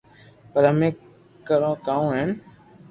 پر اپي ڪرو ڪاو ھين